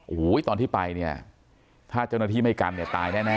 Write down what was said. โอ้โหตอนที่ไปเนี่ยถ้าเจ้าหน้าที่ไม่กันเนี่ยตายแน่